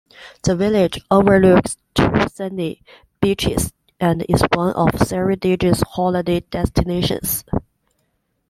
The village overlooks two sandy beaches and is one of Ceredigion's holiday destinations.